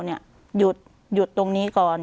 หยุดตรงนี้ก่อน